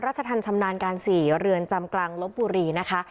ทันชำนาญการ๔เรือนจำกลางลบบุรีนะคะ